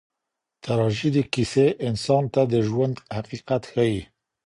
تراژیدي کیسې انسان ته د ژوند حقیقت ښیي.